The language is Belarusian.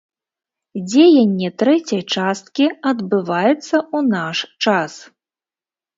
Дзеянне трэцяй часткі адбываецца ў наш час.